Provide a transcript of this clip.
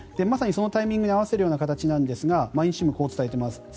まさにそのタイミングに合わせるような形なんですが毎日新聞はこう伝えています。